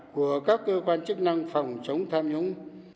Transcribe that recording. của các cơ quan chức năng phòng chống tham nhũng